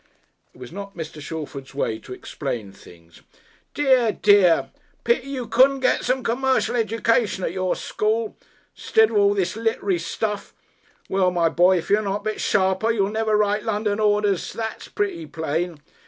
It was not Mr. Shalford's way to explain things. "Dear, dear! Pity you couldn't get some c'mercial education at your school. 'Stid of all this lit'ry stuff. Well, my boy, if y' don't 'ussel a bit y'll never write London orders, that's pretty plain.